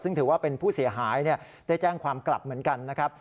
ซึ่งถือว่าเป็นผู้เสียหายได้แจ้งความกลับเหมือนกันนะครับ